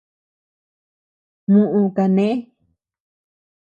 Muʼu kané.